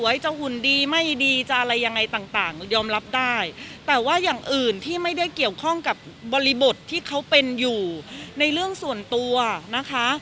ยังไงต่างยอมรับได้แต่ว่าอย่างอื่นที่ไม่ได้เกี่ยวข้องกับบริบทที่เขาเป็นอยู่ในเรื่องส่วนตัวนะคะ